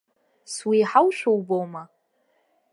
Суеиҳаушәа убома?